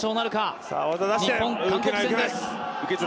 日本、韓国戦です。